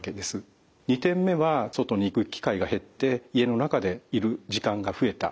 ２点目は外に行く機会が減って家の中でいる時間が増えた。